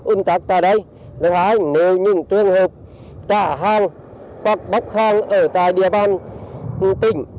ún tạc tại đây lưu hãi nếu những trường hợp tạ hàng hoặc bóc hàng ở tại địa bàn tỉnh